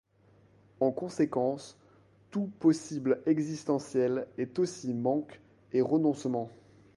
En conséquence tout possible existentiel est aussi manque et renoncement.